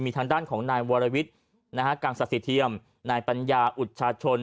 มีทางด้านของนายวรวิทธิ์นะฮะกรรษศิเทียมนายปัญญาอุตชาชน